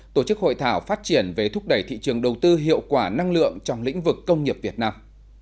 tổ chức hội thảo phát triển về thúc đẩy thị trường đầu tư hiệu quả năng lượng trong lĩnh vực công nghiệp việt nam